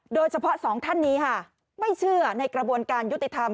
โดยเฉพาะสองท่านนี้ไม่เชื่อในกระบวนการยุติธรรม